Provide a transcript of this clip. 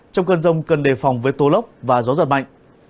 trong cơn rông cần đề phòng với tố lốc và gió giật mạnh